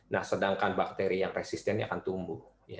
nah sedangkan bakteri yang resistennya akan tumbuh